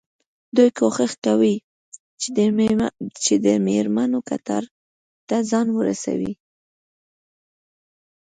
دوی کوښښ کوي چې د مېرمنو کتار ته ځان ورسوي.